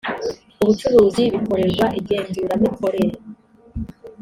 ubucuruzi bikorerwa igenzuramikorere